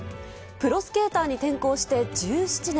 プロスケーターに転向して１７年。